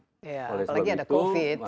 apalagi ada covid